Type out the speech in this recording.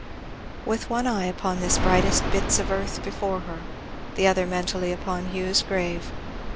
With one eye upon this brightest bits of earth before her, the other mentally was upon Hugh's grave.